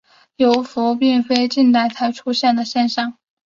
幽浮并非近代才出现的现象。